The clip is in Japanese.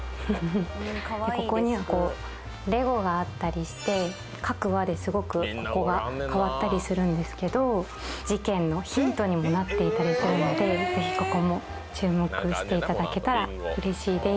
「ここにはこうレゴがあったりして各話ですごくここが変わったりするんですけど事件のヒントにもなっていたりするのでぜひここも注目していただけたらうれしいです」